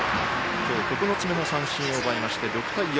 今日９つ目の三振を奪いまして６対４。